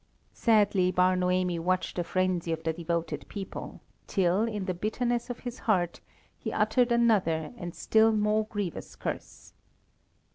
Sadly Bar Noemi watched the frenzy of the devoted people, till, in the bitterness of his heart, he uttered another and still more grievous curse.